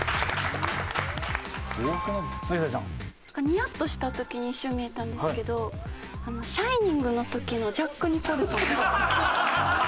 ニヤッとした時に一瞬見えたんですけど『シャイニング』の時のジャック・ニコルソン。